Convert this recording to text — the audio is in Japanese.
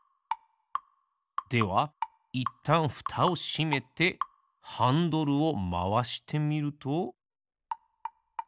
ではいったんふたをしめてハンドルをまわしてみると。